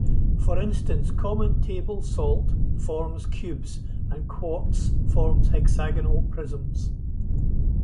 For instance, common table salt forms cubes and quartz forms hexagonal prisms.